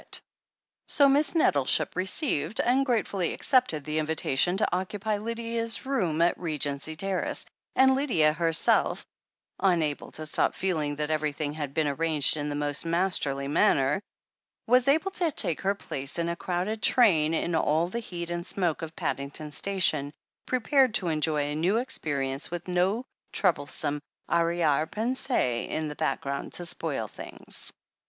THE HEEL OF ACHILLES 267 So Miss Nettleship received, and gratefully accepted, the invitation to occupy Lydia's room at Regency Ter race, and Lydia herself, unable to help feeling that everything had been arranged in the most masterly manner, was able to take her place in a crowded train in all the heat and smoke of Paddington station, pre pared to enjoy a new experience with no troublesome arrHre pensSe in the bacl^ound to spoil things.